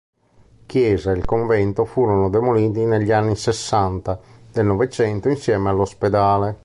Chiesa e il convento furono demoliti negli anni sessanta del Novecento insieme all'ospedale.